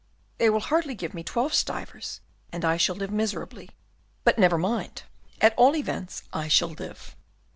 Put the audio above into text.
They will hardly give me twelve stivers, and I shall live miserably; but never mind, at all events I shall live."